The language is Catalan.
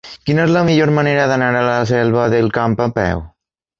Quina és la millor manera d'anar a la Selva del Camp a peu?